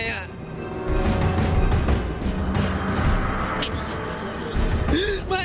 ไม่ได้ไม่ได้